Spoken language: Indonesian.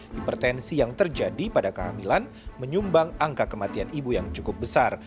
hipertensi yang terjadi pada kehamilan menyumbang angka kematian ibu yang cukup besar